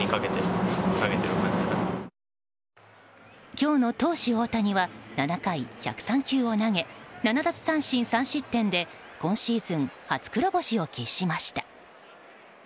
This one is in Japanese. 今日の投手・大谷は７回、１０３球を投げ７奪三振３失点で今シーズン、初黒星を喫しました。